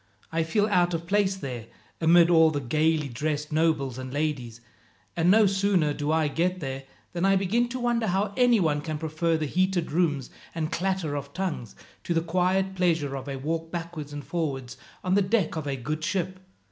I feel out of place there, amid all the gaily dressed nobles and ladies, and no sooner do I get there, than I begin to wonder how anyone can prefer the heated rooms, and clatter of tongues, to the quiet pleasure of a walk backwards and forwards on the deck of a good ship.